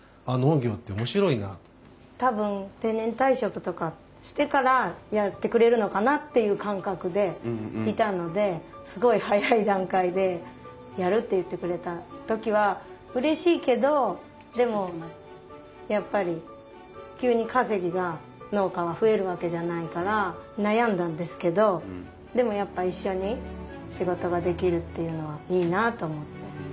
多分定年退職とかしてからやってくれるのかなっていう感覚でいたのですごい早い段階でやるって言ってくれた時はうれしいけどでもやっぱり急に稼ぎが農家は増えるわけじゃないから悩んだんですけどでもやっぱ一緒に仕事ができるっていうのはいいなと思って。